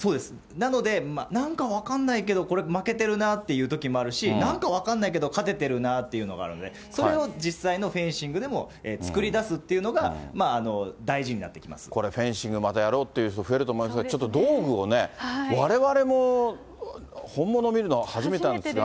なので、なんか分かんないけど、これ、負けてるなっていうときもあるし、なんか分かんないけど、勝ててるなというのがあるので、それを実際のフェンシングでも作り出すというのが、大事になってこれ、フェンシング、またやろうっていう人増えると思いますが、ちょっと道具をね、われわれも本物を見るのは初めてなんですが。